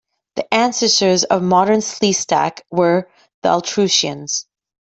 The ancestors of Modern Sleestak were the Altrusians.